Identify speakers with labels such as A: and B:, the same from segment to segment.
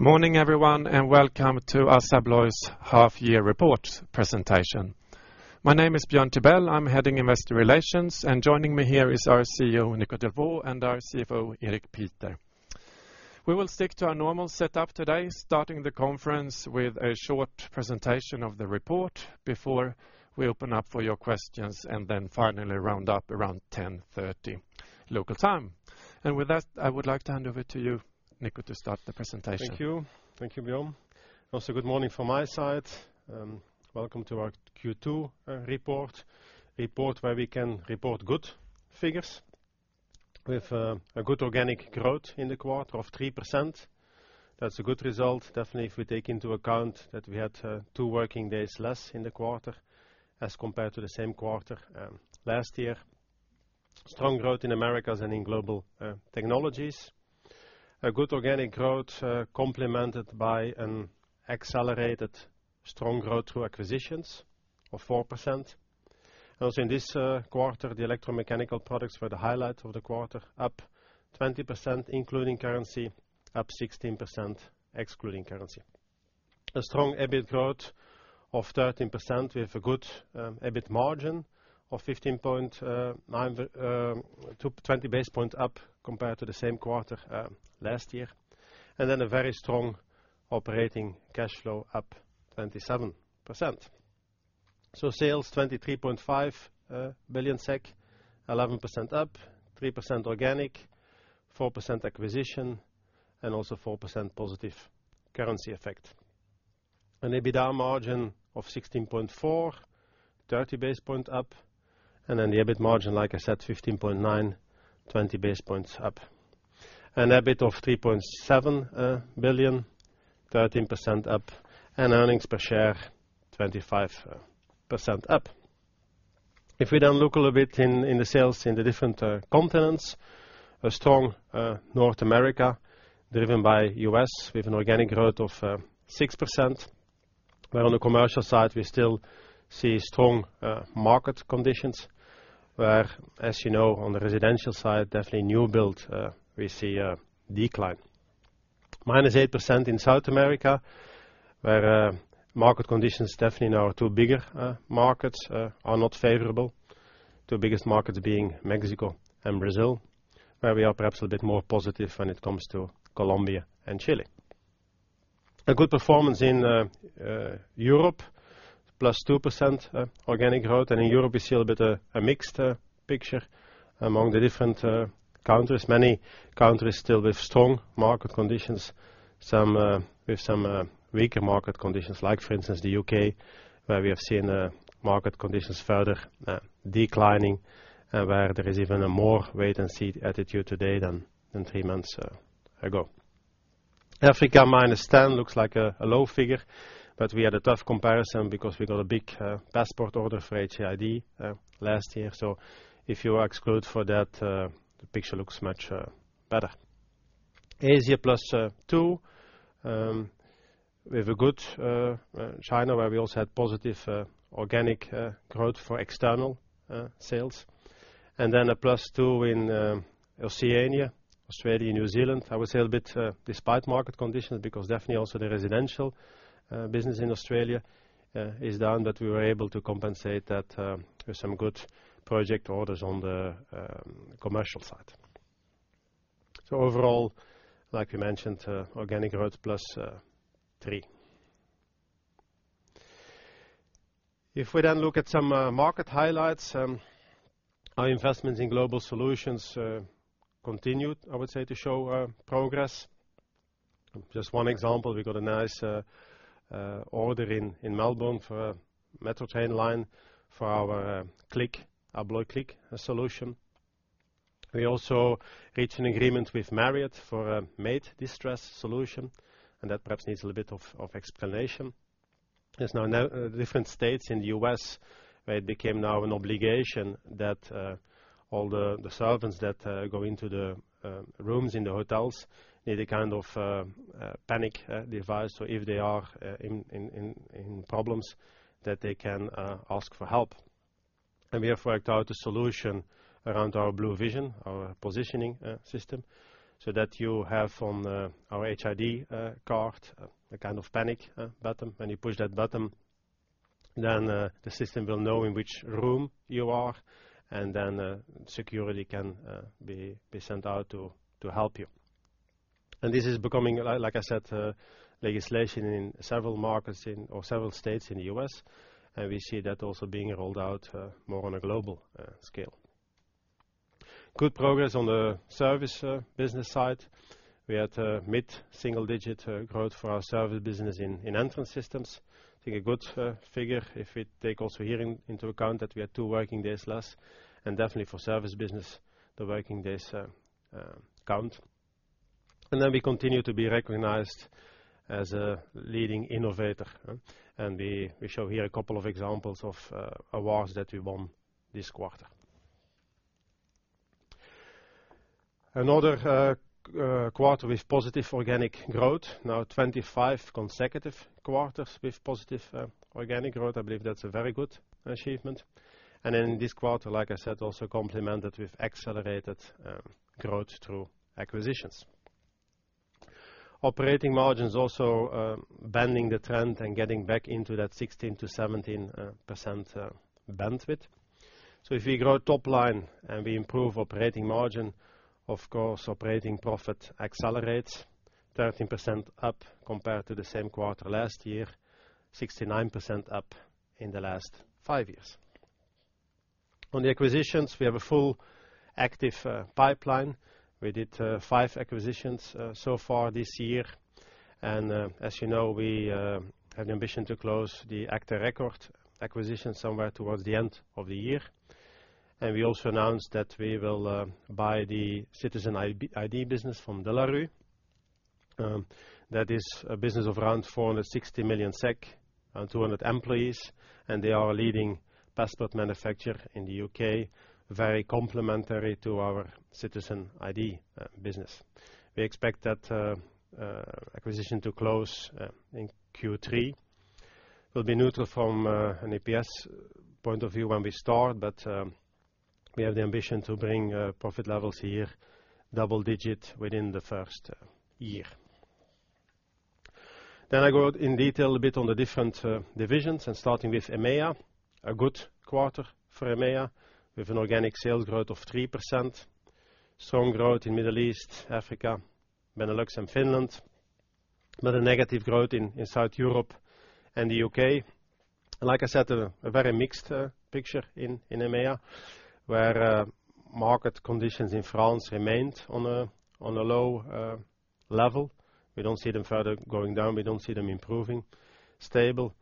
A: Good morning, everyone, welcome to ASSA ABLOY's half year report presentation. My name is Björn Tibell. I am heading investor relations, and joining me here is our CEO, Nico Delvaux, and our CFO, Erik Pieder. We will stick to our normal setup today, starting the conference with a short presentation of the report before we open up for your questions, and then finally round up around 10:30 local time. With that, I would like to hand over to you, Nico, to start the presentation.
B: Thank you. Thank you, Björn. Also, good morning from my side and welcome to our Q2 report. Report where we can report good figures. With a good organic growth in the quarter of 3%. That's a good result, definitely, if we take into account that we had two working days less in the quarter as compared to the same quarter last year. Strong growth in Americas and in Global Technologies. A good organic growth complemented by an accelerated strong growth through acquisitions of 4%. Also in this quarter, the electromechanical products were the highlight of the quarter, up 20% including currency, up 16% excluding currency. A strong EBIT growth of 13% with a good EBIT margin of 15.9%, 20 basis points up compared to the same quarter last year, and then a very strong operating cash flow up 27%. Sales 23.5 billion SEK, 11% up, 3% organic, 4% acquisition, and also 4% positive currency effect. An EBITDA margin of 16.4%, 30 basis points up, and then the EBIT margin, like I said, 15.9%, 20 basis points up. An EBIT of 3.7 billion, 13% up, and earnings per share 25% up. If we look a little bit in the sales in the different continents, a strong North America driven by U.S. with an organic growth of 6%, where on the commercial side we still see strong market conditions where, as you know, on the residential side, definitely new build, we see a decline. -8% in South America, where market conditions definitely in our two bigger markets are not favorable. Two biggest markets being Mexico and Brazil, where we are perhaps a bit more positive when it comes to Colombia and Chile. A good performance in Europe, +2% organic growth. In Europe, we see a little bit a mixed picture among the different countries. Many countries still with strong market conditions, some with some weaker market conditions like, for instance, the U.K., where we have seen market conditions further declining and where there is even a more wait and see attitude today than three months ago. Africa -10% looks like a low figure, but we had a tough comparison because we got a big passport order for HID last year. If you exclude for that, the picture looks much better. Asia +2%. We have a good China, where we also had positive organic growth for external sales, and then a +2% in Oceania, Australia and New Zealand. I would say a bit despite market conditions, because definitely also the residential business in Australia is down but we were able to compensate that with some good project orders on the commercial side. Overall, like we mentioned, organic growth +3%. If we then look at some market highlights, our investments in Global Solutions continued, I would say, to show progress. Just one example, we got a nice order in Melbourne for a metro train line for our CLIQ, ABLOY CLIQ solution. We also reached an agreement with Marriott for a maid distress solution, and that perhaps needs a little bit of explanation. There's now different states in the U.S. where it became now an obligation that all the servants that go into the rooms in the hotels need a kind of panic device so if they are in problems that they can ask for help. We have worked out a solution around our Bluvision, our positioning system, so that you have on our HID card a kind of panic button. When you push that button, then the system will know in which room you are, and then security can be sent out to help you. This is becoming, like I said, legislation in several markets or several states in the U.S., and we see that also being rolled out more on a global scale. Good progress on the service business side. We had a mid-single-digit growth for our service business in Entrance Systems. I think a good figure if we take also here into account that we had two working days less, and definitely for service business, the working days count. We continue to be recognized as a leading innovator. We show here a couple of examples of awards that we won this quarter. Another quarter with positive organic growth. 25 consecutive quarters with positive organic growth. I believe that's a very good achievement. In this quarter, like I said, also complemented with accelerated growth through acquisitions. Operating margins also bending the trend and getting back into that 16%-17% bandwidth. If we grow top line and we improve operating margin, of course, operating profit accelerates 13% up compared to the same quarter last year, 69% up in the last five years. On the acquisitions, we have a full active pipeline. We did five acquisitions so far this year. As you know, we have the ambition to close the Agta Record acquisition somewhere towards the end of the year. We also announced that we will buy the Citizen ID business from De La Rue. That is a business of around 460 million SEK and 200 employees, and they are a leading passport manufacturer in the U.K., very complementary to our Citizen ID business. We expect that acquisition to close in Q3. It will be neutral from an EPS point of view when we start, but we have the ambition to bring profit levels here double digit within the first year. I go in detail a bit on the different divisions and starting with EMEA, a good quarter for EMEA with an organic sales growth of 3%, strong growth in Middle East, Africa, Benelux and Finland, but a negative growth in South Europe and the U.K. Like I said, a very mixed picture in EMEA, where market conditions in France remained on a low level. We don't see them further going down. We don't see them improving, stable,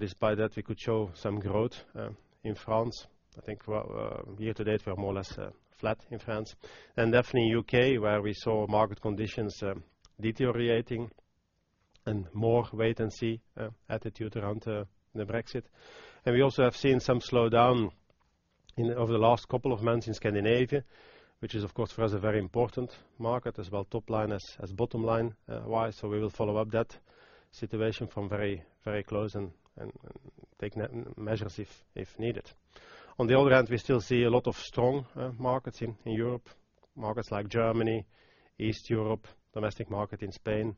B: despite that, we could show some growth in France. I think year to date, we are more or less flat in France and definitely U.K., where we saw market conditions deteriorating and more wait and see attitude around the Brexit. We also have seen some slowdown over the last couple of months in Scandinavia, which is of course for us a very important market as well, top line as bottom line wise. We will follow up that situation from very close and take measures if needed. On the other hand, we still see a lot of strong markets in Europe, markets like Germany, East Europe, domestic market in Spain,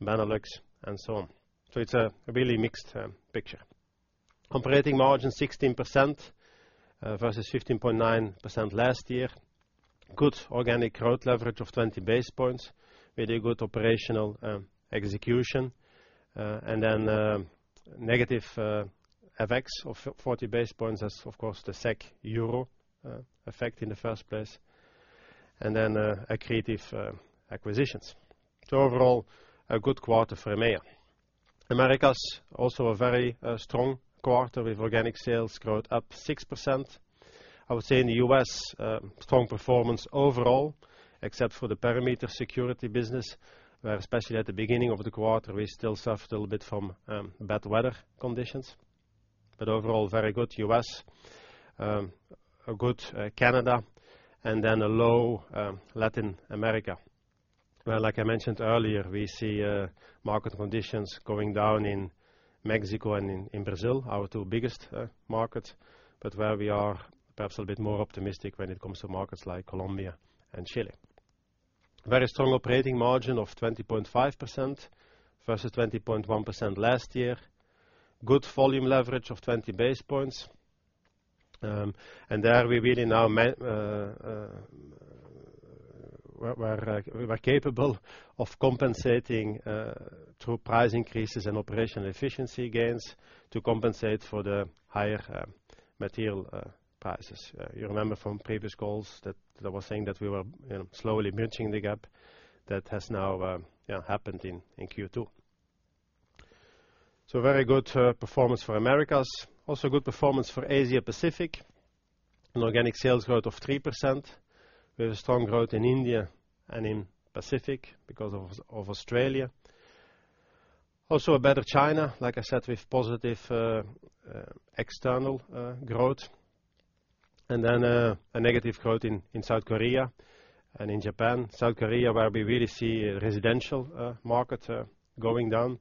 B: Benelux and so on. It's a really mixed picture. Operating margin 16% versus 15.9% last year. Good organic growth leverage of 20 basis points with a good operational execution. Negative FX of 40 basis points. That's of course the SEK euro effect in the first place, accretive acquisitions. Overall, a good quarter for EMEA. Americas, also a very strong quarter with organic sales growth up 6%. I would say in the U.S., strong performance overall, except for the perimeter security business, where especially at the beginning of the quarter, we still suffered a little bit from bad weather conditions, but overall, very good U.S., a good Canada and then a low Latin America, where like I mentioned earlier, we see market conditions going down in Mexico and in Brazil, our two biggest markets, but where we are perhaps a bit more optimistic when it comes to markets like Colombia and Chile. Very strong operating margin of 20.5% versus 20.1% last year. Good volume leverage of 20 basis points. There we were capable of compensating through price increases and operational efficiency gains to compensate for the higher material prices. You remember from previous calls that I was saying that we were slowly bridging the gap that has now happened in Q2. Very good performance for Americas. Also good performance for Asia Pacific, an organic sales growth of 3% with a strong growth in India and in Pacific because of Australia. Also a better China, like I said, with positive external growth and then a negative growth in South Korea and in Japan. South Korea, where we really see residential market going down.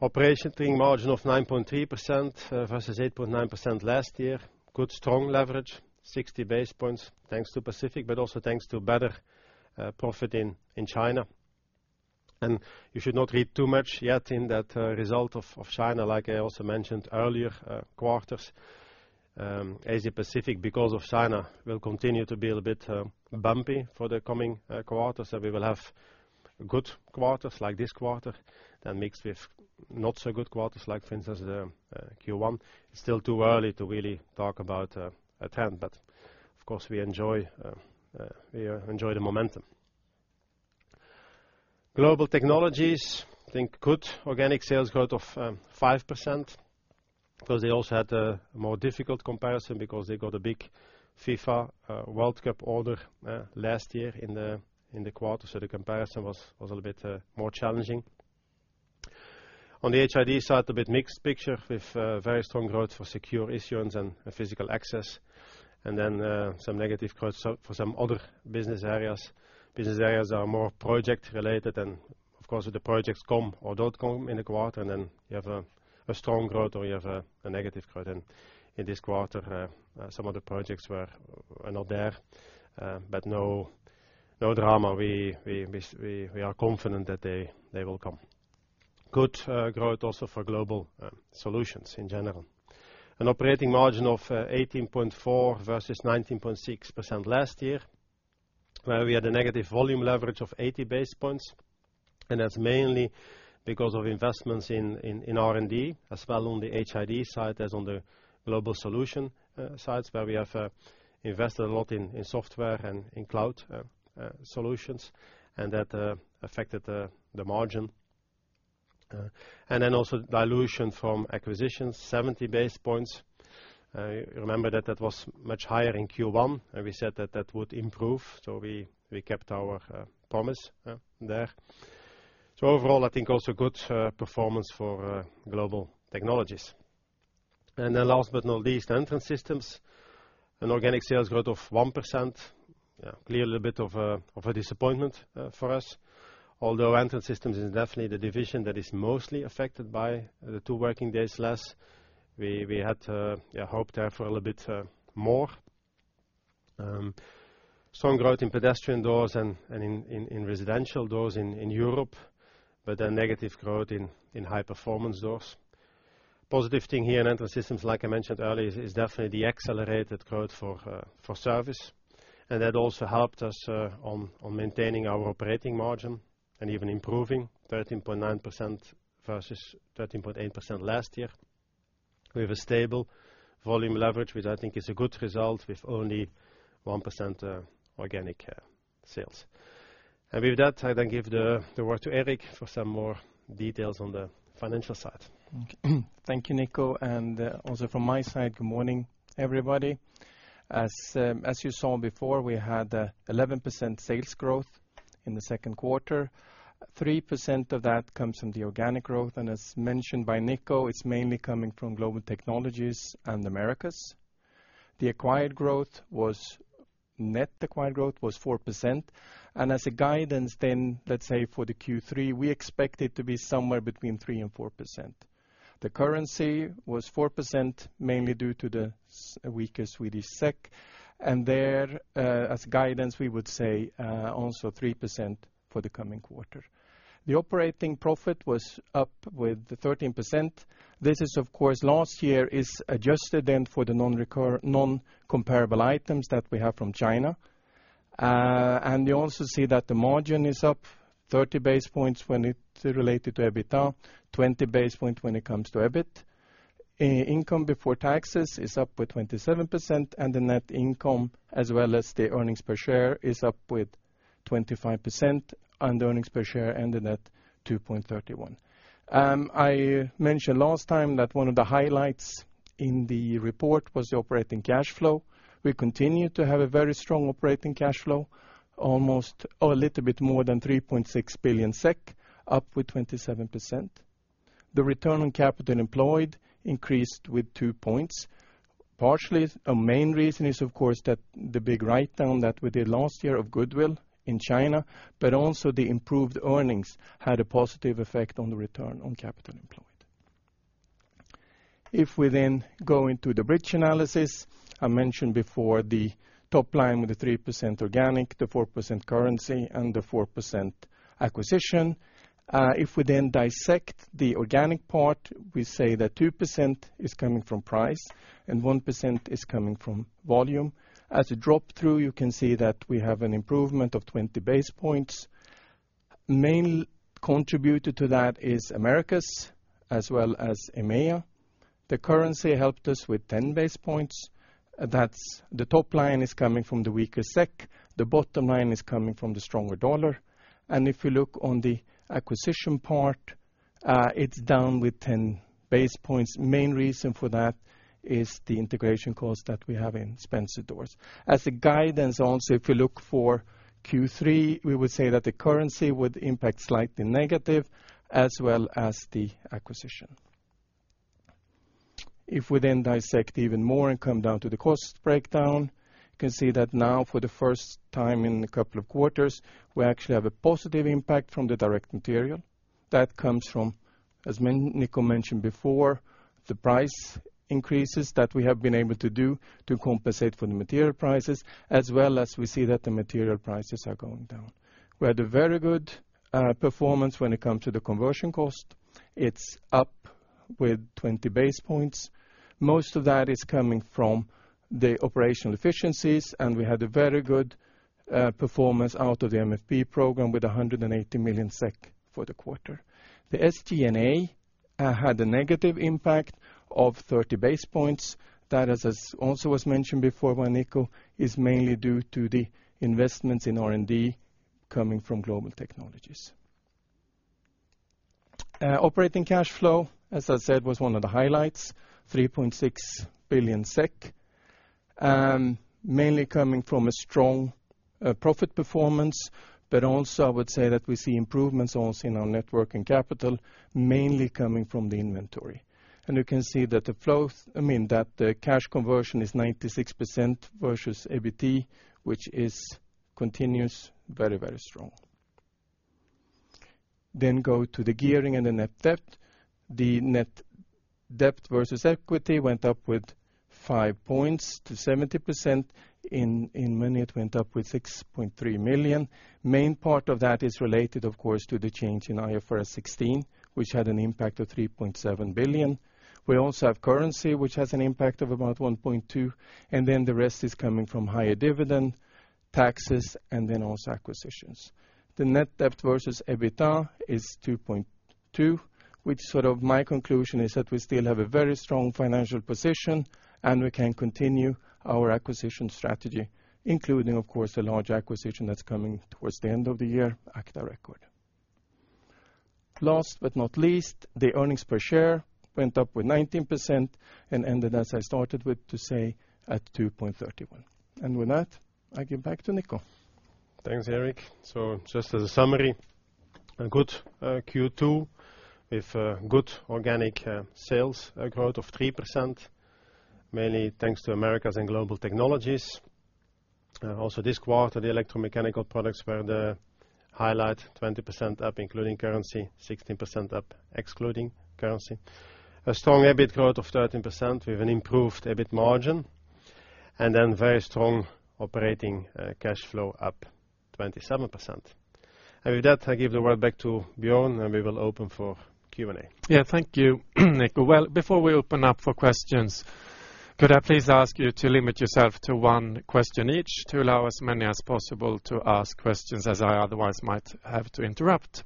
B: Operating margin of 9.3% versus 8.9% last year. Good strong leverage, 60 basis points thanks to Pacific, but also thanks to better profit in China. You should not read too much yet in that result of China. Like I also mentioned earlier, quarters, Asia Pacific because of China will continue to be a little bit bumpy for the coming quarters. We will have good quarters like this quarter that mix with not so good quarters like for instance Q1. It's still too early to really talk about a trend, but of course we enjoy the momentum. Global Technologies, I think good organic sales growth of 5%, because they also had a more difficult comparison because they got a big FIFA World Cup order last year in the quarter. The comparison was a little bit more challenging. On the HID side, a bit mixed picture with very strong growth for secure issuance and physical access, and then some negative growth for some other business areas. Business areas are more project related. Of course, the projects come or don't come in a quarter, then you have a strong growth, or you have a negative growth in this quarter, some of the projects were not there, but no drama. We are confident that they will come. Good growth also for Global Solutions in general. An operating margin of 18.4% versus 19.6% last year, where we had a negative volume leverage of 80 basis points, and that's mainly because of investments in R&D as well on the HID side as on the Global Solutions sides, where we have invested a lot in software and in cloud solutions, and that affected the margin. Also dilution from acquisitions, 70 basis points. Remember that that was much higher in Q1, and we said that that would improve, so we kept our promise there. Overall, I think also good performance for Global Technologies. Then last but not least, Entrance Systems, an organic sales growth of 1%, clearly a bit of a disappointment for us. Although Entrance Systems is definitely the division that is mostly affected by the two working days less, we had hoped there for a little bit more. Strong growth in pedestrian doors and in residential doors in Europe, a negative growth in high-performance doors. Positive thing here in Entrance Systems, like I mentioned earlier, is definitely the accelerated growth for service. That also helped us on maintaining our operating margin and even improving 13.9% versus 13.8% last year. We have a stable volume leverage, which I think is a good result with only 1% organic sales. With that, I then give the word to Erik for some more details on the financial side.
C: Thank you, Nico. Also from my side, good morning, everybody. As you saw before, we had 11% sales growth in the second quarter. 3% of that comes from the organic growth, and as mentioned by Nico, it's mainly coming from Global Technologies and Americas. The acquired growth was net acquired growth was 4%, as a guidance then, let's say for the Q3, we expect it to be somewhere between 3% and 4%. The currency was 4%, mainly due to the weaker Swedish SEK. There, as guidance, we would say also 3% for the coming quarter. The operating profit was up with 13%. This is, of course, last year is adjusted then for the non-comparable items that we have from China. You also see that the margin is up 30 basis points when it related to EBITDA, 20 basis points when it comes to EBIT. Income before taxes is up with 27%, the net income as well as the earnings per share is up with 25%, the earnings per share and the net 2.31. I mentioned last time that one of the highlights in the report was the operating cash flow. We continue to have a very strong operating cash flow, almost or a little bit more than 3.6 billion SEK, up with 27%. The return on capital employed increased with 2 points. Partially, a main reason is, of course, that the big write-down that we did last year of goodwill in China, also the improved earnings had a positive effect on the return on capital employed. If we go into the bridge analysis, I mentioned before the top line with the 3% organic, the 4% currency, and the 4% acquisition. If we then dissect the organic part, we say that 2% is coming from price and 1% is coming from volume. As a drop through, you can see that we have an improvement of 20 basis points. Main contributor to that is Americas as well as EMEA. The currency helped us with 10 basis points. That's the top line is coming from the weaker SEK. The bottom line is coming from the stronger dollar. If you look on the acquisition part, it's down with 10 basis points. Main reason for that is the integration cost that we have in Spence Doors. As a guidance also, if we look for Q3, we would say that the currency would impact slightly negative as well as the acquisition. If we then dissect even more and come down to the cost breakdown, you can see that now for the first time in a couple of quarters, we actually have a positive impact from the direct material. That comes from, as Nico mentioned before, the price increases that we have been able to do to compensate for the material prices, as well as we see that the material prices are going down. We had a very good performance when it comes to the conversion cost. It's up with 20 basis points. Most of that is coming from the operational efficiencies. We had a very good performance out of the MFP program with 180 million SEK for the quarter. The SG&A had a negative impact of 30 basis points. That is as also was mentioned before by Nico, is mainly due to the investments in R&D coming from Global Technologies. Operating cash flow, as I said, was one of the highlights, 3.6 billion SEK, mainly coming from a strong profit performance, but also I would say that we see improvements also in our net working capital, mainly coming from the inventory. You can see that the cash conversion is 96% versus EBIT, which is continuous, very, very strong. Go to the gearing and the net debt. The net debt versus equity went up with 5 points to 70%. In money, it went up with 6.3 million. Main part of that is related, of course, to the change in IFRS 16, which had an impact of 3.7 billion. We also have currency, which has an impact of about 1.2 billion. The rest is coming from higher dividend, taxes, and also acquisitions. The net debt versus EBITDA is 2.2x, which my conclusion is that we still have a very strong financial position and we can continue our acquisition strategy, including, of course, the large acquisition that's coming towards the end of the year, Agta Record. Last but not least, the earnings per share went up with 19% and ended, as I started with, to say, at 2.31. With that, I give back to Nico.
B: Thanks, Erik. Just as a summary, a good Q2 with good organic sales growth of 3%, mainly thanks to Americas and Global Technologies. Also, this quarter, the electromechanical products were the highlight, 20% up including currency, 16% up excluding currency. A strong EBIT growth of 13% with an improved EBIT margin, very strong operating cash flow up 27%. With that, I give the word back to Björn, and we will open for Q&A.
A: Thank you, Nico. Before we open up for questions, could I please ask you to limit yourself to one question each to allow as many as possible to ask questions as I otherwise might have to interrupt.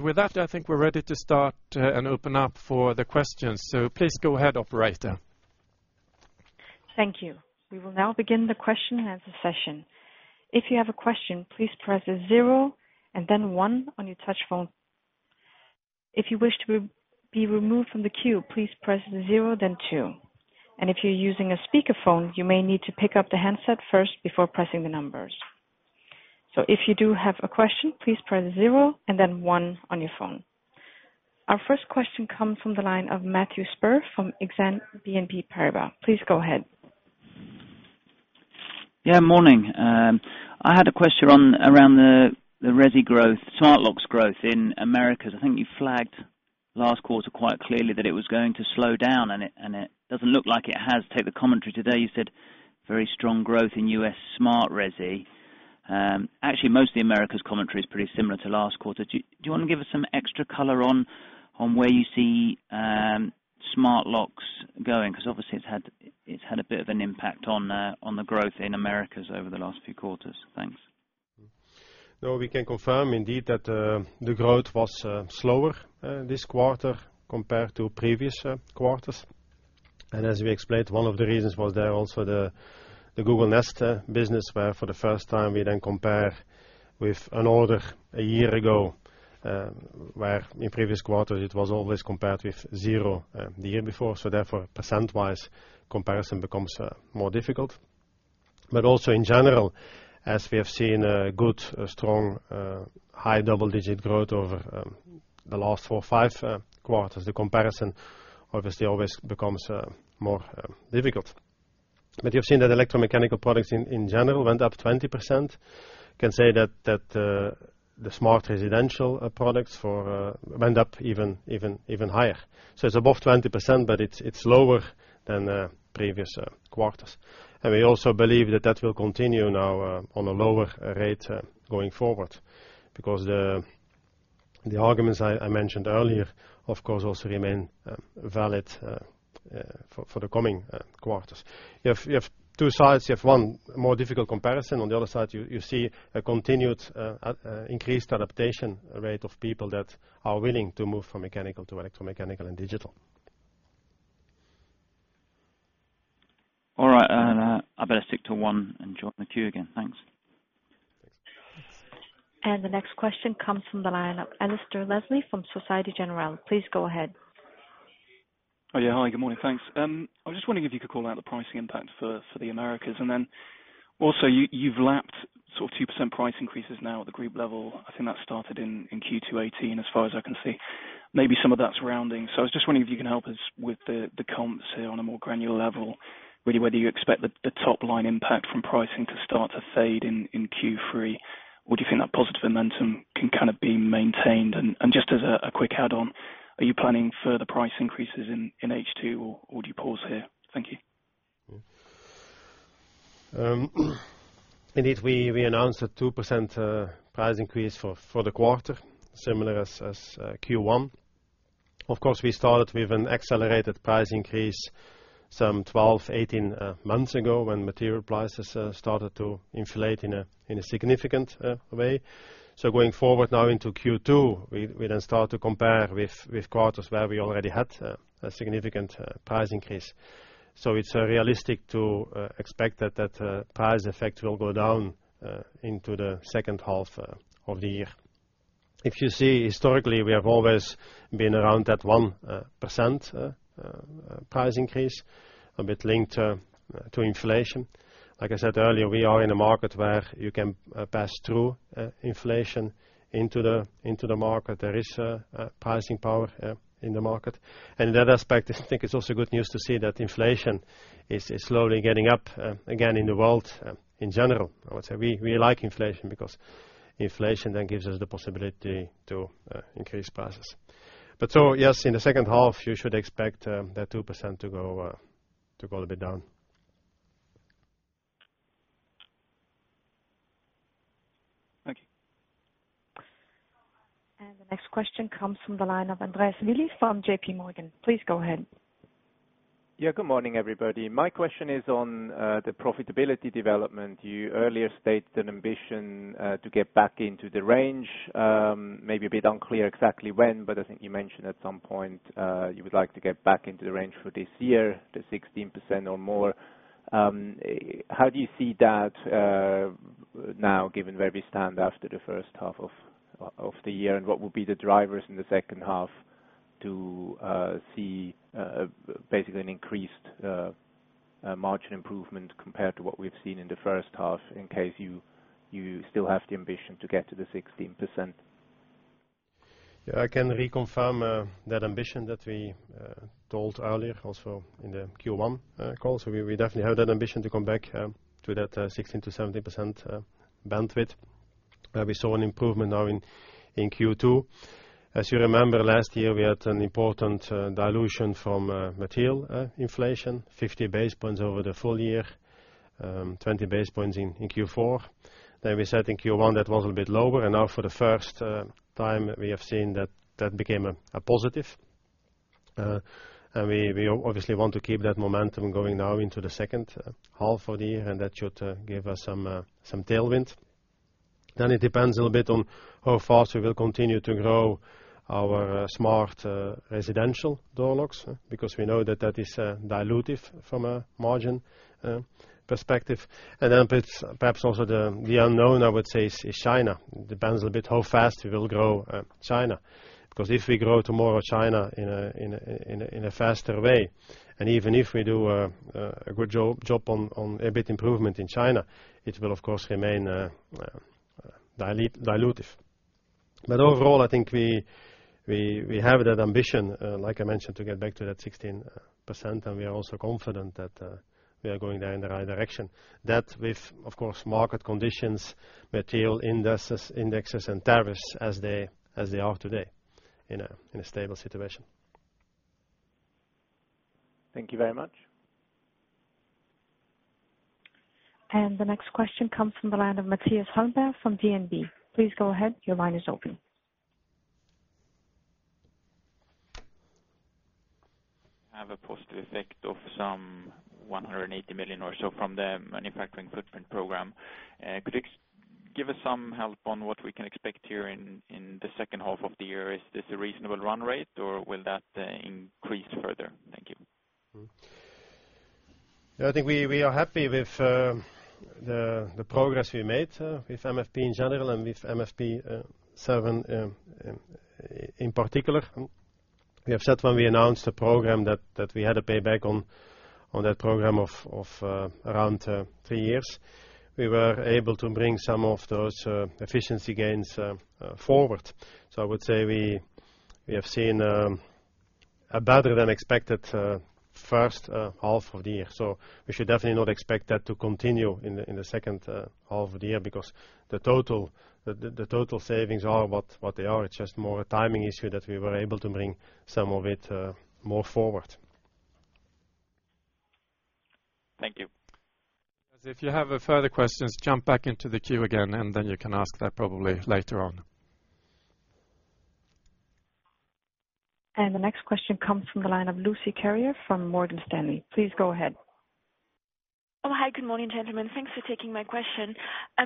A: With that, I think we're ready to start and open up for the questions. Please go ahead, operator.
D: Thank you. We will now begin the question-and-answer session. If you have a question, please press zero and then one on your touch phone. If you wish to be removed from the queue, please press zero, then two. If you're using a speakerphone, you may need to pick up the handset first before pressing the numbers. If you do have a question, please press zero and then one on your phone. Our first question comes from the line of Matthew Spurr from Exane BNP Paribas. Please go ahead.
E: Morning. I had a question around the resi growth, smart locks growth in Americas. I think you flagged last quarter quite clearly that it was going to slow down, it doesn't look like it has. Take the commentary today, you said very strong growth in U.S. smart resi. Actually, most of the Americas commentary is pretty similar to last quarter. Do you want to give us some extra color on where you see smart locks going? Obviously it's had a bit of an impact on the growth in Americas over the last few quarters. Thanks.
B: No, we can confirm indeed that the growth was slower this quarter compared to previous quarters. As we explained, one of the reasons was there also the Google Nest business, where for the first time we then compare with an order a year ago, where in previous quarters it was always compared with zero the year before. Therefore, percent-wise, comparison becomes more difficult. Also in general, as we have seen a good, strong high double-digit growth over the last four or five quarters, the comparison obviously always becomes more difficult. You have seen that electromechanical products in general went up 20%. We can say that the smart residential products went up even higher. It is above 20%, but it is lower than previous quarters. We also believe that that will continue now on a lower rate going forward, because the arguments I mentioned earlier, of course, also remain valid for the coming quarters. You have two sides. You have one more difficult comparison. On the other side, you see a continued increased adaptation rate of people that are willing to move from mechanical to electromechanical and digital.
E: All right. I better stick to one and join the queue again. Thanks.
D: The next question comes from the line of Alasdair Leslie from Societe Generale. Please go ahead.
F: Oh, yeah. Hi, good morning. Thanks. I was just wondering if you could call out the pricing impact for the Americas. Also, you've lapped 2% price increases now at the group level. I think that started in Q2 2018, as far as I can see. Maybe some of that's rounding. I was just wondering if you can help us with the comps here on a more granular level, really whether you expect the top line impact from pricing to start to fade in Q3, or do you think that positive momentum can be maintained? Just as a quick add on, are you planning further price increases in H2, or do you pause here? Thank you.
B: Indeed, we announced a 2% price increase for the quarter, similar as Q1. Of course, we started with an accelerated price increase some 12, 18 months ago when material prices started to inflate in a significant way. Going forward now into Q2, we start to compare with quarters where we already had a significant price increase. It's realistic to expect that that price effect will go down into the second half of the year. If you see historically, we have always been around that 1% price increase, a bit linked to inflation. Like I said earlier, we are in a market where you can pass through inflation into the market. There is pricing power in the market. In that aspect, I think it's also good news to see that inflation is slowly getting up again in the world in general. I would say we like inflation because inflation then gives us the possibility to increase prices. Yes, in the second half, you should expect that 2% to go a bit down.
F: Thank you.
D: The next question comes from the line of Andreas Willi from JPMorgan. Please go ahead.
G: Yeah. Good morning, everybody. My question is on the profitability development. You earlier stated an ambition to get back into the range. Maybe a bit unclear exactly when, but I think you mentioned at some point you would like to get back into the range for this year, to 16% or more. How do you see that now, given where we stand after the first half of the year, and what will be the drivers in the second half to see basically an increased margin improvement compared to what we've seen in the first half, in case you still have the ambition to get to the 16%?
B: Yeah, I can reconfirm that ambition that we told earlier also in the Q1 call. We definitely have that ambition to come back to that 16%-17% bandwidth. We saw an improvement now in Q2. As you remember, last year we had an important dilution from material inflation, 50 basis points over the full year, 20 basis points in Q4. We said in Q1 that was a bit lower. Now for the first time, we have seen that that became a positive. We obviously want to keep that momentum going now into the second half of the year, and that should give us some tailwind. It depends a little bit on how fast we will continue to grow our smart residential door locks, because we know that that is dilutive from a margin perspective. Perhaps also the unknown, I would say, is China. Depends a little bit how fast we will grow China. Because if we grow tomorrow China in a faster way, even if we do a good job on EBIT improvement in China, it will of course remain dilutive. Overall, I think we have that ambition, like I mentioned, to get back to that 16%, and we are also confident that we are going there in the right direction. That with, of course, market conditions, material indexes, and tariffs as they are today, in a stable situation.
G: Thank you very much.
D: The next question comes from the line of Mattias Holmberg from DNB. Please go ahead. Your line is open.
H: Have a positive effect of some 180 million or so from the Manufacturing Footprint Program. Could you give us some help on what we can expect here in the second half of the year? Is this a reasonable run rate, or will that increase further? Thank you.
B: I think we are happy with the progress we made with MFP in general and with MFP 7 in particular. We have said when we announced the program that we had a payback on that program of around three years. We were able to bring some of those efficiency gains forward. I would say we have seen a better than expected first half of the year. We should definitely not expect that to continue in the second half of the year because the total savings are what they are. It's just more a timing issue that we were able to bring some of it more forward.
H: Thank you.
A: If you have further questions, jump back into the queue again and then you can ask that probably later on.
D: The next question comes from the line of Lucie Carrier from Morgan Stanley. Please go ahead.
I: Oh, hi. Good morning, gentlemen. Thanks for taking my question.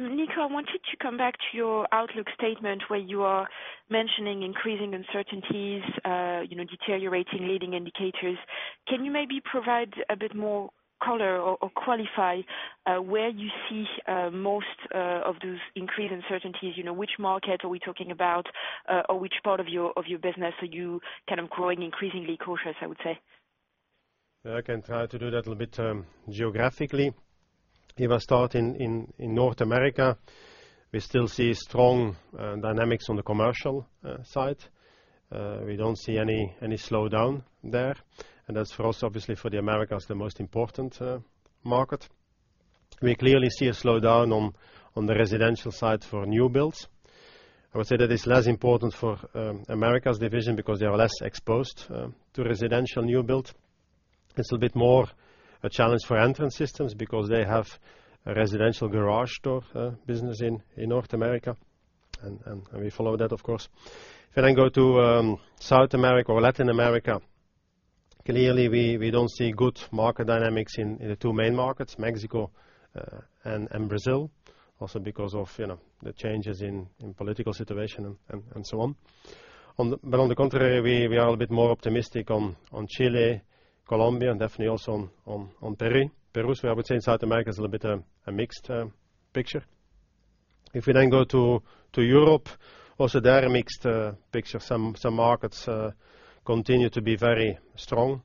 I: Nico, I want you to come back to your outlook statement where you are mentioning increasing uncertainties, deteriorating leading indicators. Can you maybe provide a bit more color or qualify where you see most of those increased uncertainties? Which market are we talking about? Which part of your business are you growing increasingly cautious, I would say?
B: Yeah, I can try to do that a little bit geographically. If I start in North America, we still see strong dynamics on the commercial side. We don't see any slowdown there, and that's for us, obviously for the Americas, the most important market. We clearly see a slowdown on the residential side for new builds. I would say that is less important for Americas division because they are less exposed to residential new build. It's a bit more a challenge for Entrance Systems because they have a residential garage door business in North America, and we follow that, of course. If I then go to South America or Latin America, clearly we don't see good market dynamics in the two main markets, Mexico and Brazil, also because of the changes in political situation and so on. On the contrary, we are a bit more optimistic on Chile, Colombia, and definitely also on Peru. I would say in South America is a little bit a mixed picture. We then go to Europe, also there a mixed picture. Some markets continue to be very strong.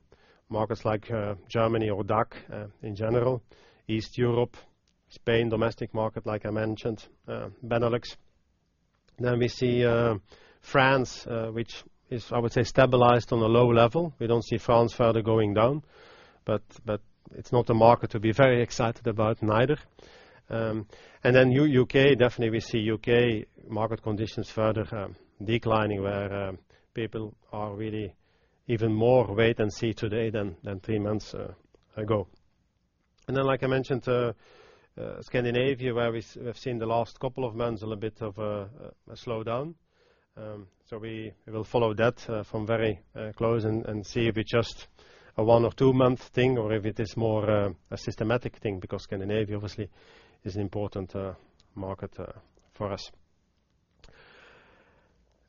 B: Markets like Germany or DACH in general, East Europe, Spain, domestic market, like I mentioned, Benelux. We see France, which is, I would say, stabilized on a low level. We don't see France further going down, but it's not a market to be very excited about neither. U.K., definitely we see U.K. market conditions further declining, where people are really even more wait and see today than three months ago. Like I mentioned, Scandinavia, where we have seen the last couple of months a little bit of a slowdown. We will follow that from very close and see if it's just a one or two-month thing or if it is more a systematic thing, because Scandinavia obviously is an important market for us.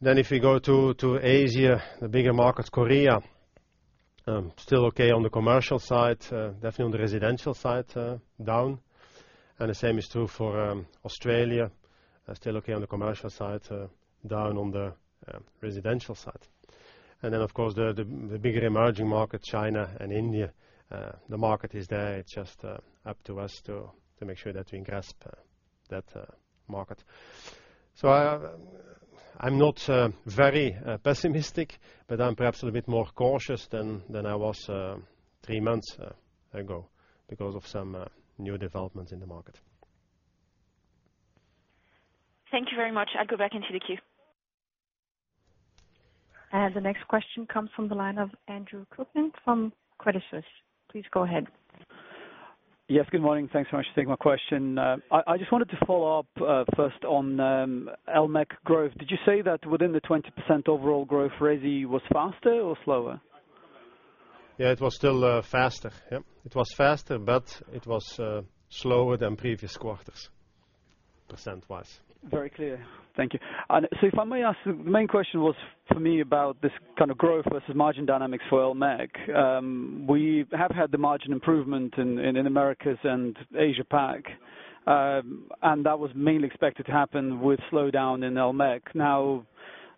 B: We go to Asia, the bigger markets, Korea, still okay on the commercial side, definitely on the residential side, down. The same is true for Australia. Still okay on the commercial side, down on the residential side. Of course, the bigger emerging market, China and India, the market is there. It's just up to us to make sure that we grasp that market. I'm not very pessimistic, but I'm perhaps a little bit more cautious than I was three months ago because of some new developments in the market.
I: Thank you very much. I'll go back into the queue.
D: The next question comes from the line of Andre Kukhnin from Credit Suisse. Please go ahead.
J: Yes, good morning. Thanks so much for taking my question. I just wanted to follow up first on Elmech growth. Did you say that within the 20% overall growth, resi was faster or slower?
B: Yeah, it was still faster. Yep. It was faster, but it was slower than previous quarters, percent-wise.
J: Very clear. Thank you. If I may ask, the main question was for me about this kind of growth versus margin dynamics for Elmech. We have had the margin improvement in Americas and Asia Pac, and that was mainly expected to happen with slowdown in Elmech. Now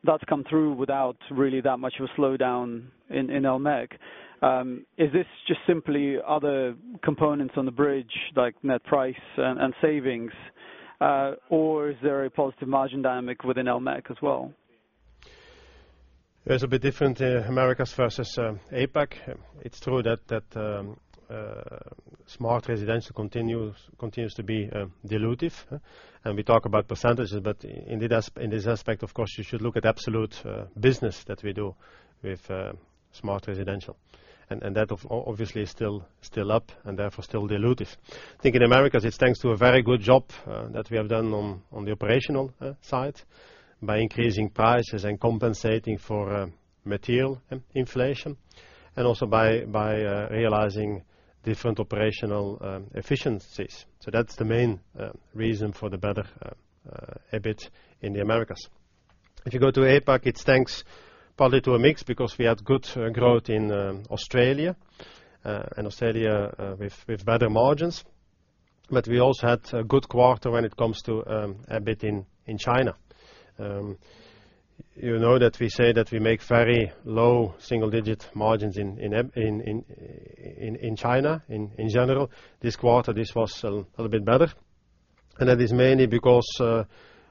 J: that's come through without really that much of a slowdown in Elmech. Is this just simply other components on the bridge, like net price and savings, or is there a positive margin dynamic within Elmech as well?
B: It's a bit different in Americas versus APAC. It's true that smart residential continues to be dilutive, and we talk about percentages, but in this aspect, of course, you should look at absolute business that we do with smart residential, and that obviously is still up and therefore still dilutive. I think in Americas, it's thanks to a very good job that we have done on the operational side by increasing prices and compensating for material inflation, and also by realizing different operational efficiencies. That's the main reason for the better EBIT in the Americas. If you go to APAC, it's thanks partly to a mix because we had good growth in Australia, and Australia with better margins. We also had a good quarter when it comes to EBIT in China. You know that we say that we make very low single-digit margins in China in general. This quarter, this was a little bit better, that is mainly because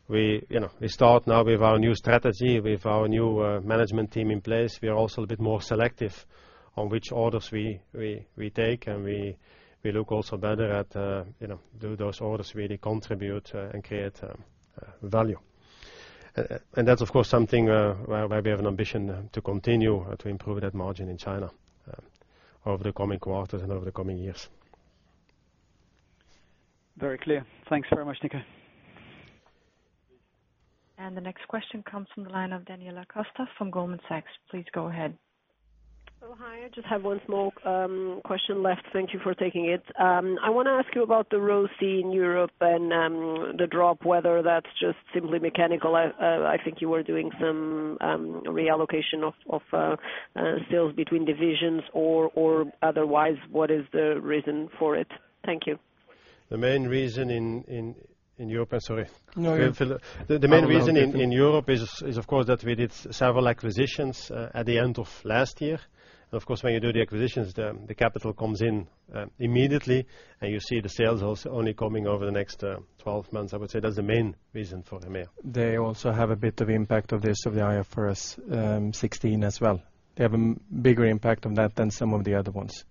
B: we start now with our new strategy, with our new management team in place. We are also a bit more selective on which orders we take, and we look also better at do those orders really contribute and create value. That's, of course, something where we have an ambition to continue to improve that margin in China over the coming quarters and over the coming years.
J: Very clear. Thanks very much, Nico.
D: The next question comes from the line of Daniela Costa from Goldman Sachs. Please go ahead.
K: Hi, I just have one small question left. Thank you for taking it. I want to ask you about the ROCE in Europe and the drop, whether that's just simply mechanical. I think you were doing some reallocation of sales between divisions or otherwise, what is the reason for it? Thank you.
B: The main reason in Europe is, of course, that we did several acquisitions at the end of last year. Of course, when you do the acquisitions, the capital comes in immediately, and you see the sales only coming over the next 12 months. I would say that is the main reason for EMEA.
C: They also have a bit of impact of this, of the IFRS 16 as well. They have a bigger impact on that than some of the other ones.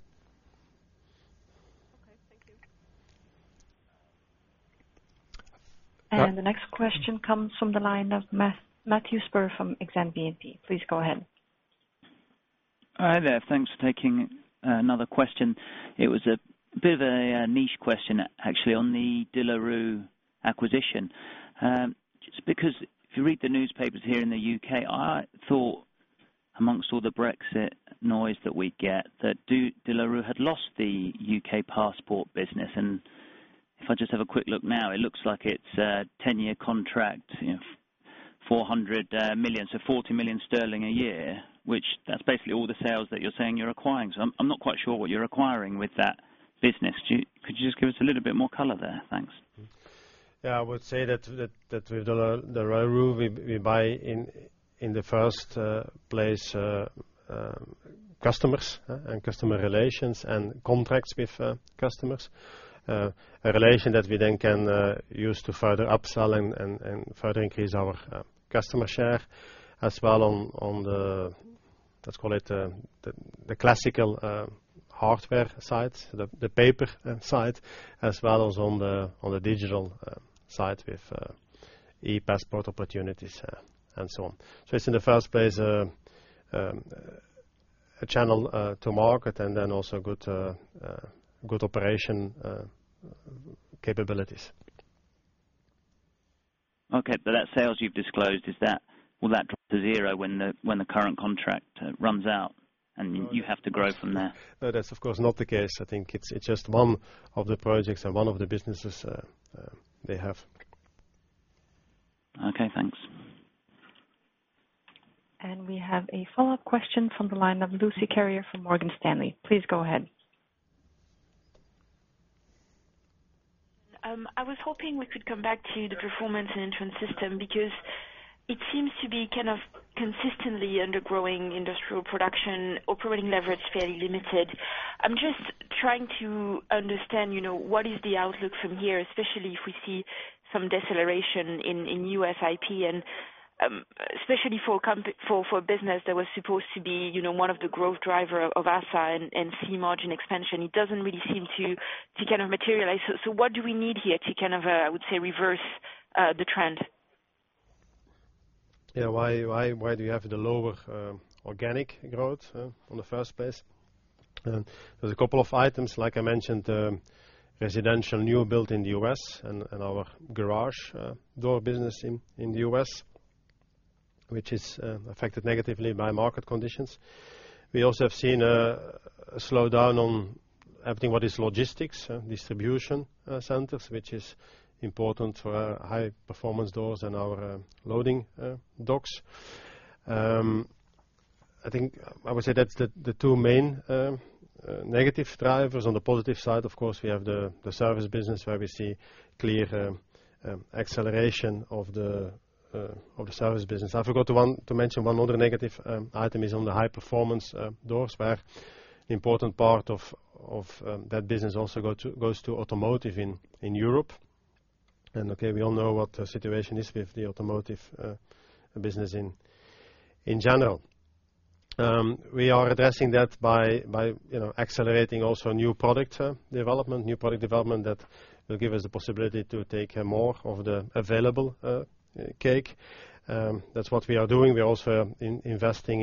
K: Okay, thank you.
D: The next question comes from the line of Matthew Spurr from Exane BNP. Please go ahead.
E: Hi there. Thanks for taking another question. It was a bit of a niche question, actually, on the De La Rue acquisition. Just because if you read the newspapers here in the U.K., I thought amongst all the Brexit noise that we get, that De La Rue had lost the U.K. passport business. If I just have a quick look now, it looks like it's a 10-year contract, 400 million, so 40 million sterling a year, which that's basically all the sales that you're saying you're acquiring. I am not quite sure what you're acquiring with that business. Could you just give us a little bit more color there? Thanks.
B: Yeah, I would say that with De La Rue, we buy in the first place customers and customer relations and contracts with customers. A relation that we then can use to further upsell and further increase our customer share as well on the, let's call it, the classical hardware side, the paper side, as well as on the digital side with e-passport opportunities and so on. It's in the first place a channel to market and then also good operation capabilities.
E: That sales you've disclosed, will that drop to zero when the current contract runs out and you have to grow from there?
B: No, that's of course not the case. I think it's just one of the projects and one of the businesses they have.
E: Okay, thanks.
D: We have a follow-up question from the line of Lucie Carrier from Morgan Stanley. Please go ahead.
I: I was hoping we could come back to the performance in Entrance Systems, because it seems to be kind of consistently under growing industrial production, operating leverage fairly limited. I'm just trying to understand what is the outlook from here, especially if we see some deceleration in U.S. IP and especially for business that was supposed to be one of the growth driver of ASSA and see margin expansion? It doesn't really seem to materialize. What do we need here to kind of, I would say, reverse the trend?
B: Yeah. Why do we have the lower organic growth on the first place? There's a couple of items, like I mentioned, residential new build in the U.S. and our garage door business in the U.S., which is affected negatively by market conditions. We also have seen a slowdown on everything what is logistics, distribution centers, which is important for our high performance doors and our loading docks. I think I would say that's the two main negative drivers. On the positive side, of course, we have the service business where we see clear acceleration of the service business. I forgot to mention one other negative item is on the high performance doors, where important part of that business also goes to automotive in Europe. Okay, we all know what the situation is with the automotive business in general. We are addressing that by accelerating also new product development. New product development that will give us the possibility to take more of the available cake. That is what we are doing. We are also investing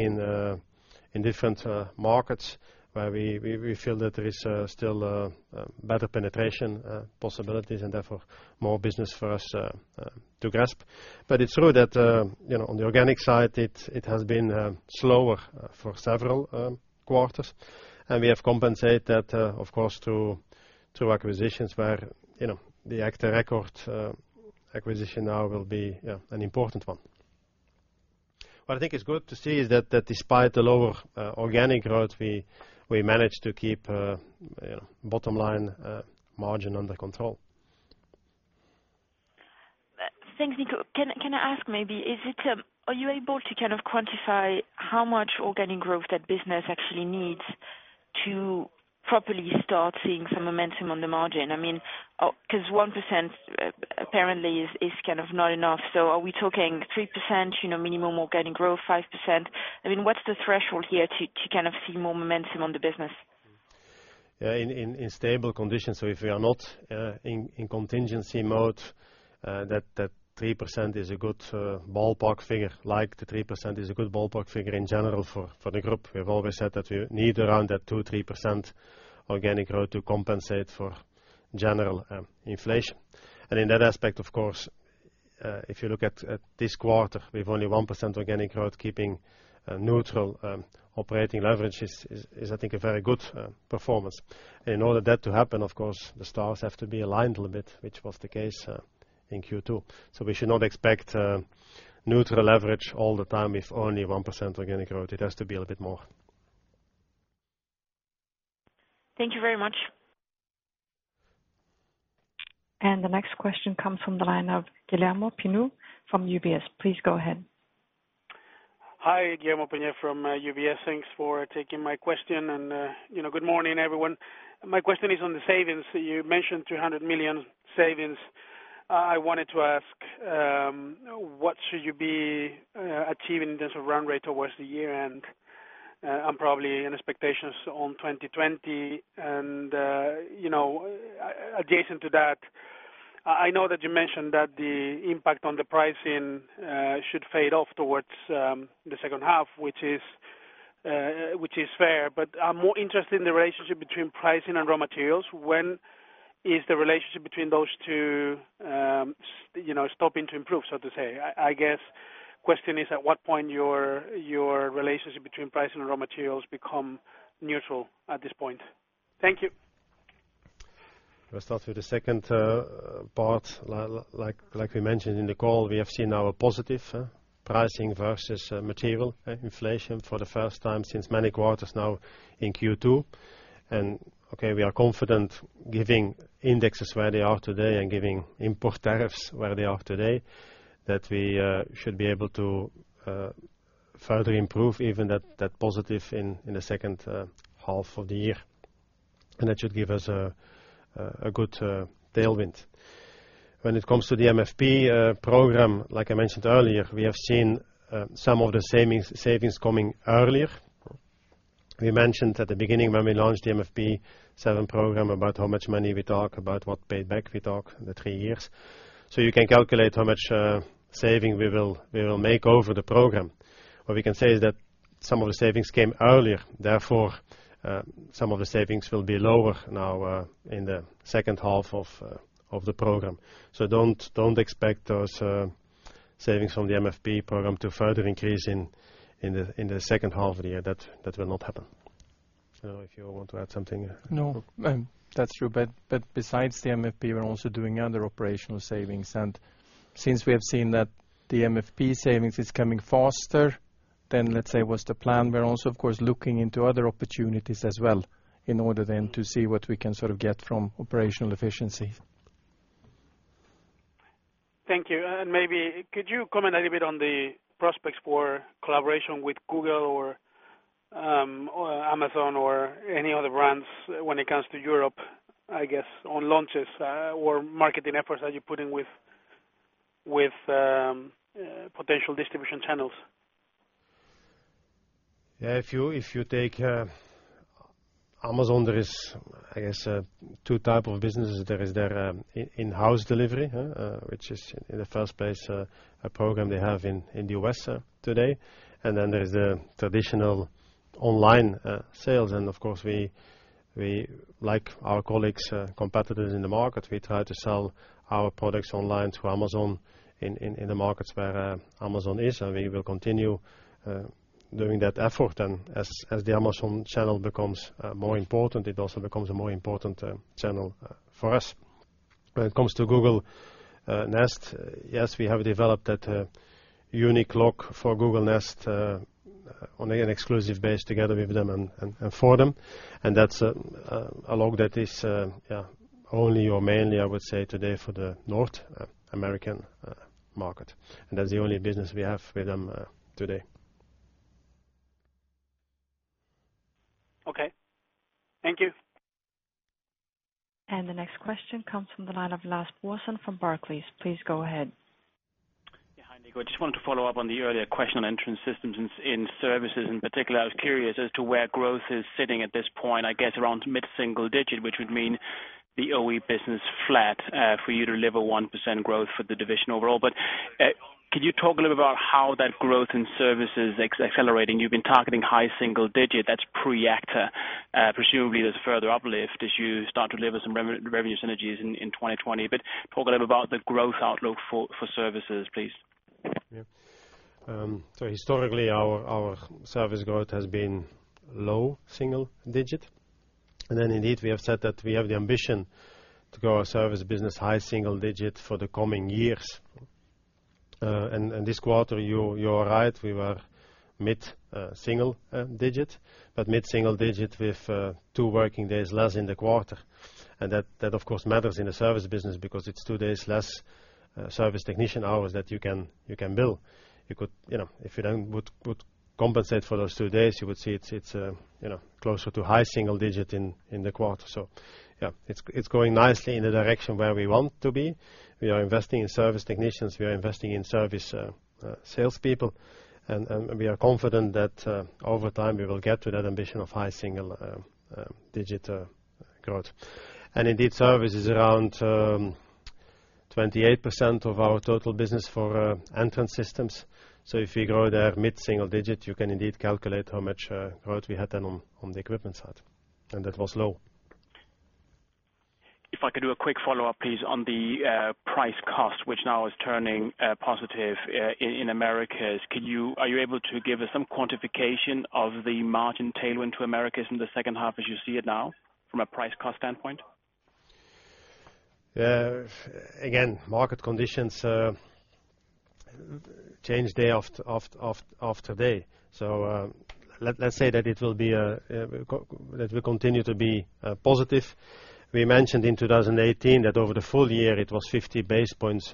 B: in different markets where we feel that there is still better penetration possibilities and therefore more business for us to grasp. It is true that, on the organic side, it has been slower for several quarters, and we have compensated that, of course, through acquisitions where the Agta Record acquisition now will be an important one. What I think is good to see is that despite the lower organic growth, we managed to keep bottom line margin under control.
I: Thanks, Nico. Can I ask maybe, are you able to kind of quantify how much organic growth that business actually needs to properly start seeing some momentum on the margin? I mean, because 1% apparently is kind of not enough. Are we talking 3% minimum organic growth, 5%? I mean, what is the threshold here to kind of see more momentum on the business?
B: In stable conditions, if we are not in contingency mode, that 3% is a good ballpark figure. The 3% is a good ballpark figure in general for the group. We have always said that we need around that 2%-3% organic growth to compensate for general inflation. In that aspect, of course, if you look at this quarter, we have only 1% organic growth keeping neutral operating leverage is I think a very good performance. In order for that to happen, of course, the stars have to be aligned a little bit, which was the case in Q2. We should not expect neutral leverage all the time with only 1% organic growth. It has to be a little bit more.
I: Thank you very much.
D: The next question comes from the line of Guillermo Peigneux from UBS. Please go ahead.
L: Hi, Guillermo Peigneux from UBS. Thanks for taking my question and good morning, everyone. My question is on the savings. You mentioned 300 million savings. I wanted to ask, what should you be achieving in terms of run rate towards the year-end? Probably in expectations on 2020 and adjacent to that, I know that you mentioned that the impact on the pricing should fade off towards the second half, which is fair. I'm more interested in the relationship between pricing and raw materials. When is the relationship between those two stopping to improve, so to say? I guess question is at what point your relationship between pricing and raw materials become neutral at this point? Thank you.
B: I'll start with the second part. Like we mentioned in the call, we have seen our positive pricing versus material inflation for the first time since many quarters now in Q2. Okay, we are confident giving indexes where they are today and giving import tariffs where they are today, that we should be able to further improve even that positive in the second half of the year. That should give us a good tailwind. When it comes to the MFP program, like I mentioned earlier, we have seen some of the savings coming earlier. We mentioned at the beginning when we launched the MFP 7 program about how much money we talk about, what payback we talk in the three years. You can calculate how much saving we will make over the program. What we can say is that some of the savings came earlier, therefore, some of the savings will be lower now in the second half of the program. Don't expect those savings from the MFP program to further increase in the second half of the year. That will not happen. I don't know if you want to add something.
C: No. That's true. Besides the MFP, we're also doing other operational savings, and since we have seen that the MFP savings is coming faster than, let's say, was the plan, we're also, of course, looking into other opportunities as well in order to see what we can sort of get from operational efficiency.
L: Thank you. Maybe could you comment a little bit on the prospects for collaboration with Google or Amazon or any other brands when it comes to Europe, I guess, on launches or marketing efforts that you're putting with potential distribution channels?
B: Yeah, if you take Amazon, there is, I guess, two type of businesses. There is their in-house delivery, which is in the first place a program they have in the U.S. today. Then there's the traditional online sales. Of course, like our colleagues, competitors in the market, we try to sell our products online to Amazon in the markets where Amazon is, and we will continue doing that effort. As the Amazon channel becomes more important, it also becomes a more important channel for us. When it comes to Google Nest, yes, we have developed that unique lock for Google Nest on an exclusive base together with them and for them. That's a lock that is only or mainly, I would say today, for the North American market. That's the only business we have with them today.
L: Okay. Thank you.
D: The next question comes from the line of Lars Brorson from Barclays. Please go ahead.
M: Yeah. Hi, Nico. I just wanted to follow up on the earlier question on Entrance Systems in services in particular. I was curious as to where growth is sitting at this point, I guess around mid-single digit, which would mean the OE business flat for you to deliver 1% growth for the division overall. Could you talk a little bit about how that growth in service is accelerating? You've been targeting high single digit. That's pre-Agta. Presumably, there's further uplift as you start to deliver some revenue synergies in 2020. Talk a little bit about the growth outlook for services, please.
B: Yeah. Historically, our service growth has been low single digit. Indeed, we have said that we have the ambition to grow our service business high single digit for the coming years. This quarter, you are right, we were mid-single digit, but mid-single digit with two working days less in the quarter. That of course matters in the service business because it's two days less service technician hours that you can bill. If you then would compensate for those two days, you would see it's closer to high single digit in the quarter. Yeah, it's going nicely in the direction where we want to be. We are investing in service technicians. We are investing in service salespeople, and we are confident that over time we will get to that ambition of high single digit growth. Indeed, service is around 28% of our total business for Entrance Systems. If we grow there mid-single digit, you can indeed calculate how much growth we had then on the equipment side, and that was low.
M: If I could do a quick follow-up, please, on the price cost, which now is turning positive in Americas. Are you able to give us some quantification of the margin tailwind to Americas in the second half as you see it now from a price cost standpoint?
B: Again, market conditions change day after day. Let's say that it will continue to be positive. We mentioned in 2018 that over the full year it was 50 basis points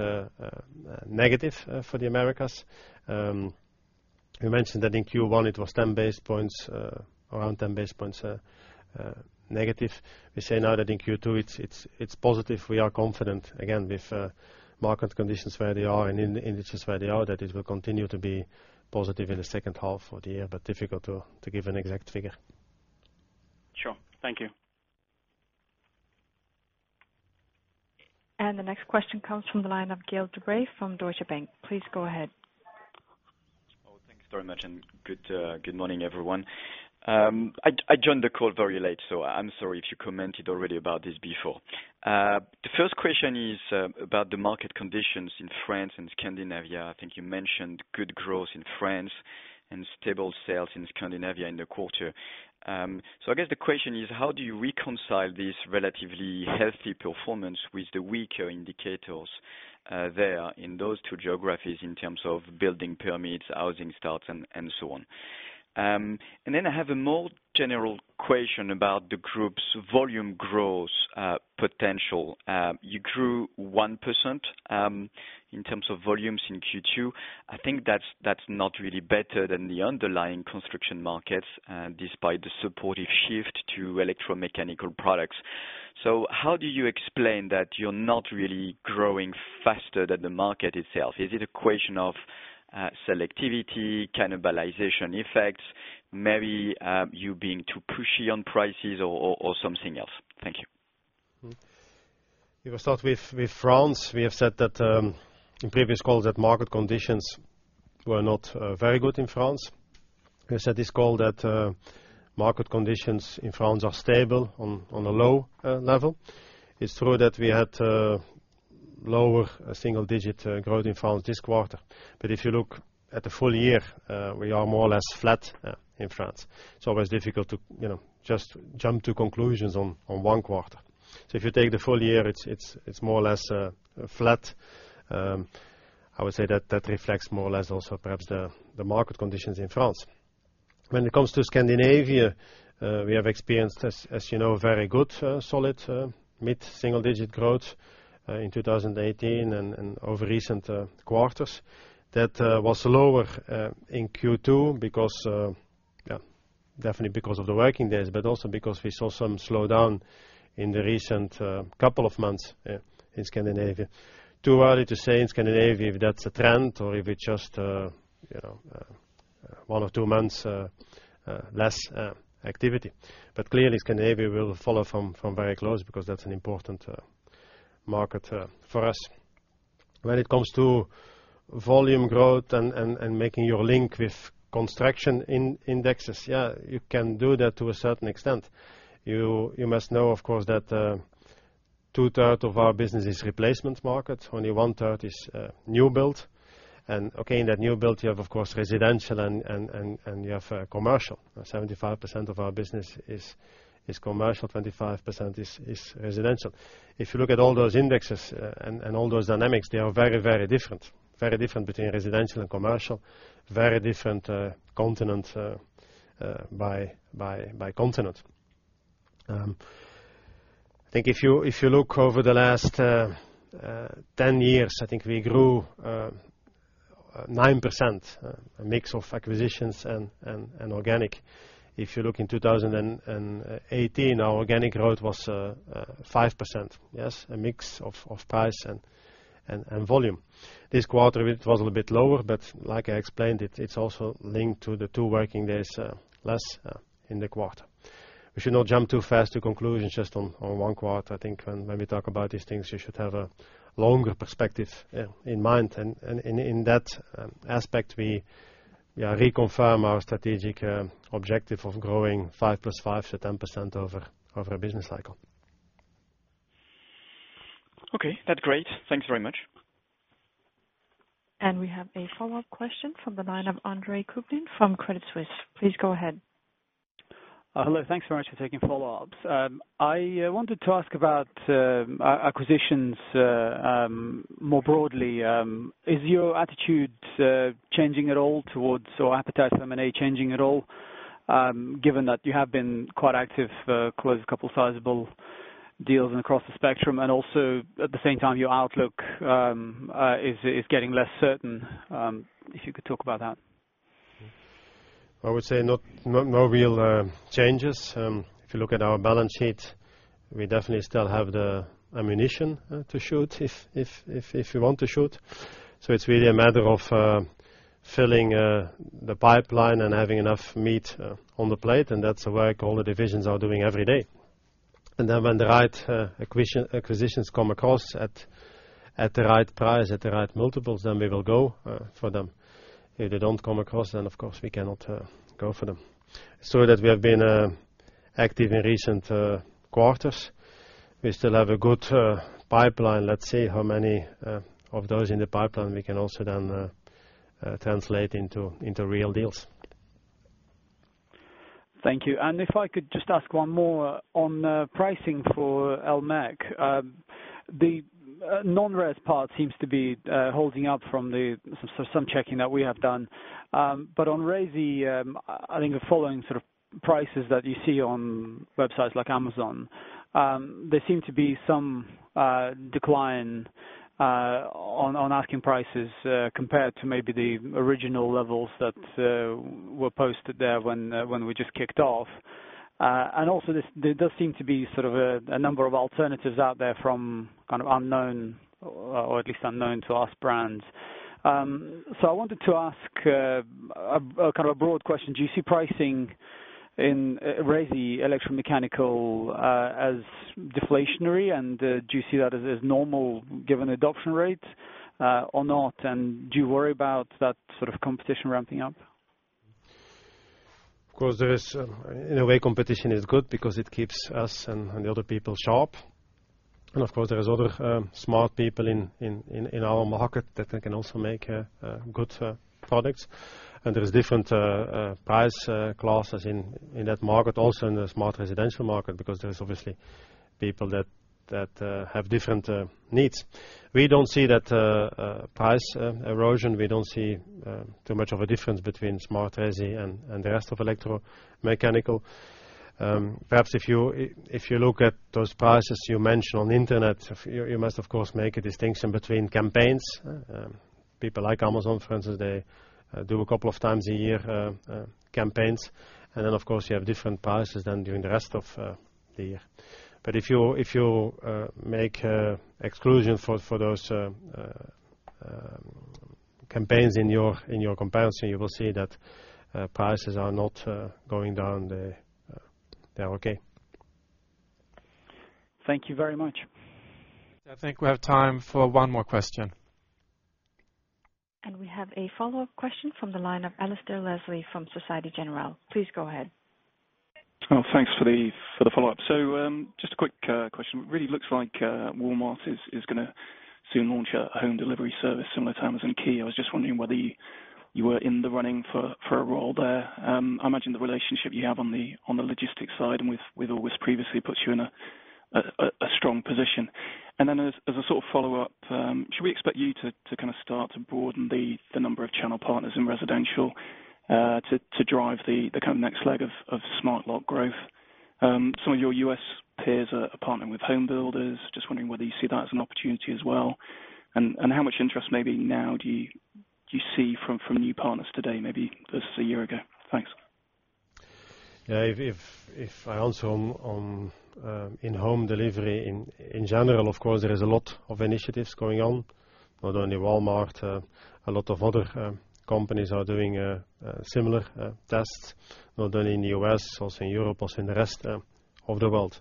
B: negative for the Americas. We mentioned that in Q1 it was around 10 basis points negative. We say now that in Q2 it is positive. We are confident, again, with market conditions where they are and indices where they are, that it will continue to be positive in the second half of the year, difficult to give an exact figure.
M: Sure. Thank you.
D: The next question comes from the line of Gael de-Bray from Deutsche Bank. Please go ahead.
N: Thanks very much. Good morning, everyone. I joined the call very late, so I'm sorry if you commented already about this before. The first question is about the market conditions in France and Scandinavia. I think you mentioned good growth in France and stable sales in Scandinavia in the quarter. I guess the question is: how do you reconcile this relatively healthy performance with the weaker indicators there in those two geographies in terms of building permits, housing starts, and so on? I have a more general question about the group's volume growth potential. You grew 1% in terms of volumes in Q2. I think that's not really better than the underlying construction markets, despite the supportive shift to electromechanical products. How do you explain that you're not really growing faster than the market itself? Is it a question of selectivity, cannibalization effects, maybe you being too pushy on prices or something else? Thank you.
B: We will start with France. We have said in previous calls that market conditions were not very good in France. We said this call that market conditions in France are stable on a low level. It's true that we had lower single-digit growth in France this quarter, but if you look at the full year, we are more or less flat in France. It's always difficult to just jump to conclusions on one quarter. If you take the full year, it's more or less flat. I would say that reflects more or less also perhaps the market conditions in France. When it comes to Scandinavia, we have experienced, as you know, very good, solid, mid-single-digit growth in 2018 and over recent quarters. That was lower in Q2 definitely because of the working days, but also because we saw some slowdown in the recent couple of months in Scandinavia. Too early to say in Scandinavia, if that's a trend or if it's just one or two months less activity. Clearly Scandinavia we'll follow from very close because that's an important market for us. When it comes to volume growth and making your link with construction indexes. You can do that to a certain extent. You must know, of course, that two-thirds of our business is replacement market. Only one-third is new build. In that new build, you have, of course, residential and you have commercial. 75% of our business is commercial, 25% is residential. If you look at all those indexes and all those dynamics, they are very different. Very different between residential and commercial, very different by continent. I think if you look over the last 10 years, I think we grew 9%, a mix of acquisitions and organic. If you look in 2018, our organic growth was 5%. Yes, a mix of price and volume. This quarter it was a little bit lower, but like I explained, it's also linked to the two working days less in the quarter. We should not jump too fast to conclusions just on one quarter. I think when we talk about these things, you should have a longer perspective in mind. In that aspect, we reconfirm our strategic objective of growing 5% + 5% to 10% over a business cycle.
N: Okay, that's great. Thanks very much.
D: We have a follow-up question from the line of Andre Kukhnin from Credit Suisse. Please go ahead.
J: Hello, thanks very much for taking follow-ups. I wanted to ask about acquisitions more broadly. Is your attitude changing at all towards or appetite for M&A changing at all, given that you have been quite active, closed a couple sizable deals and across the spectrum, also at the same time, your outlook is getting less certain. If you could talk about that.
B: I would say no real changes. If you look at our balance sheet, we definitely still have the ammunition to shoot if we want to shoot. It's really a matter of filling the pipeline and having enough meat on the plate, and that's the work all the divisions are doing every day. When the right acquisitions come across at the right price, at the right multiples, then we will go for them. If they don't come across, of course, we cannot go for them. That we have been active in recent quarters. We still have a good pipeline. Let's see how many of those in the pipeline we can also then translate into real deals.
J: Thank you. If I could just ask one more on pricing for Elmech. The non-res part seems to be holding up from some checking that we have done. On resi, I think the following sort of prices that you see on websites like Amazon, there seem to be some decline on asking prices compared to maybe the original levels that were posted there when we just kicked off. Also there does seem to be sort of a number of alternatives out there from kind of unknown or at least unknown to us brands. I wanted to ask a kind of a broad question. Do you see pricing in resi electromechanical as deflationary, and do you see that as normal given adoption rates or not? Do you worry about that sort of competition ramping up?
B: Of course, in a way competition is good because it keeps us and the other people sharp. Of course, there is other smart people in our market that can also make good products. There is different price classes in that market, also in the smart residential market, because there is obviously people that have different needs. We don't see that price erosion. We don't see too much of a difference between smart resi and the rest of electromechanical. Perhaps if you look at those prices you mentioned on internet, you must of course make a distinction between campaigns. People like Amazon, for instance, they do a couple of times a year campaigns, of course, you have different prices than during the rest of the year. If you make exclusion for those campaigns in your comparison, you will see that prices are not going down. They're okay.
J: Thank you very much.
A: I think we have time for one more question.
D: We have a follow-up question from the line of Alasdair Leslie from Societe Generale. Please go ahead.
F: Thanks for the follow-up. Just a quick question. It really looks like Walmart is going to soon launch a home delivery service similar to Amazon Key. I was just wondering whether you were in the running for a role there. I imagine the relationship you have on the logistics side and with August previously puts you in a strong position. As a sort of follow-up, should we expect you to start to broaden the number of channel partners in residential to drive the next leg of Smart Lock growth? Some of your U.S. peers are partnering with home builders. Just wondering whether you see that as an opportunity as well, and how much interest maybe now do you see from new partners today, maybe versus a year ago? Thanks.
B: If I answer on in-home delivery, in general, of course, there is a lot of initiatives going on, not only Walmart, a lot of other companies are doing similar tests, not only in the U.S., also in Europe, also in the rest of the world.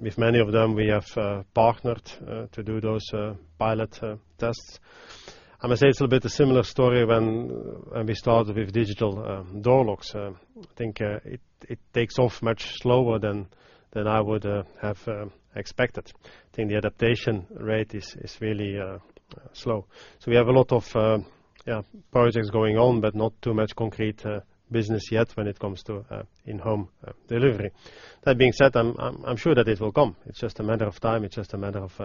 B: With many of them, we have partnered to do those pilot tests. I must say it's a bit a similar story when we started with digital door locks. I think it takes off much slower than I would have expected. I think the adaptation rate is really slow. We have a lot of projects going on, but not too much concrete business yet when it comes to in-home delivery. That being said, I'm sure that it will come. It's just a matter of time. It's just a matter of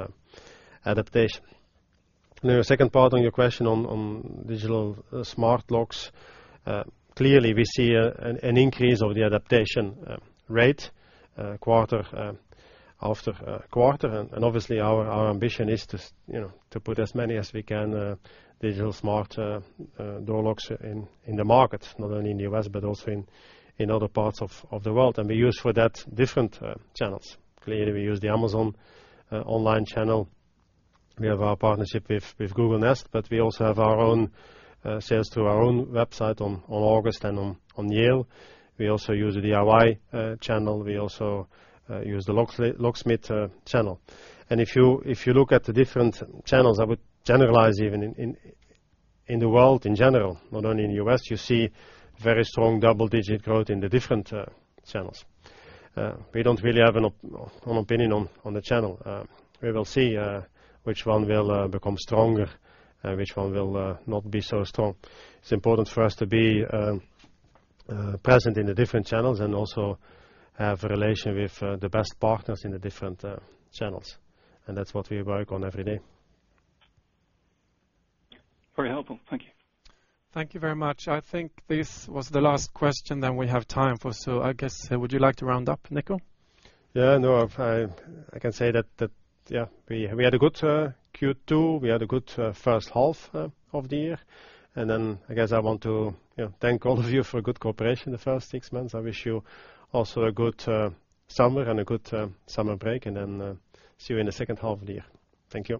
B: adaptation. The second part on your question on digital Smart Locks. Clearly, we see an increase of the adaptation rate quarter after quarter. Obviously, our ambition is to put as many as we can digital smart door locks in the market, not only in the U.S., but also in other parts of the world. We use for that different channels. Clearly, we use the Amazon online channel. We have our partnership with Google Nest, but we also have our own sales through our own website on August and on Yale. We also use the DIY channel. We also use the locksmith channel. If you look at the different channels, I would generalize even in the world in general, not only in the U.S., you see very strong double-digit growth in the different channels. We don't really have an opinion on the channel. We will see which one will become stronger and which one will not be so strong. It's important for us to be present in the different channels and also have a relation with the best partners in the different channels, and that's what we work on every day.
F: Very helpful. Thank you.
A: Thank you very much. I think this was the last question that we have time for. I guess, would you like to round up, Nico?
B: Yeah. No, I can say that we had a good Q2. We had a good first half of the year. I guess I want to thank all of you for a good cooperation the first six months. I wish you also a good summer and a good summer break, and then see you in the second half of the year. Thank you.